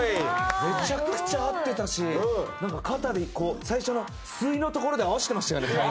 めちゃくちゃ合ってたし肩で、最初の吸いのところで合わせてましたよね。